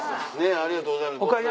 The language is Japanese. ありがとうございます。